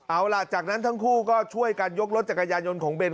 เอาล่ะจากนั้นทั้งคู่ก็ช่วยกันยกรถจักรยานยนต์ของเบน